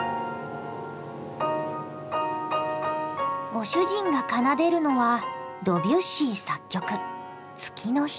ご主人が奏でるのはドビュッシー作曲「月の光」。